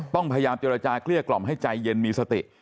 พยายามเจรจาเกลี้ยกล่อมให้ใจเย็นมีสติ